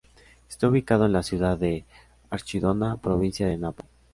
Está ubicado en la ciudad de Archidona, provincia de Napo.